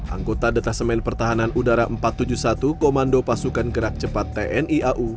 anggota detasemen pertahanan udara empat ratus tujuh puluh satu komando pasukan gerak cepat tni au